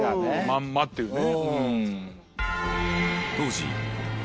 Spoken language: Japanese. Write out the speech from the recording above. まんまっていうね。